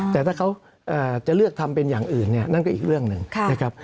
แต่ถ้าเขาจะเลือกทำเป็นอย่างอื่นเนี่ยนั่นก็อีกเรื่องหนึ่งนะครับ